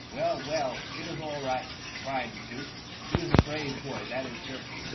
" Well, well, it is all right, cried the duke, " he is a brave boy, that is certain."